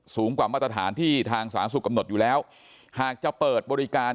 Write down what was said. สูงกว่ามาตรฐานที่ทางสาธารณสุขกำหนดอยู่แล้วหากจะเปิดบริการ